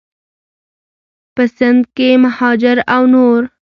په سند کې مهاجر او نور